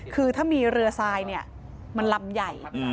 คือถ้ามีเรือทรายเนี่ยมันลำใหญ่